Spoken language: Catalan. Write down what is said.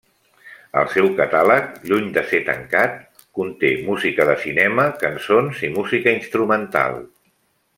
El seu catàleg –lluny de ser tancat- conté música de cinema, cançons i música instrumental.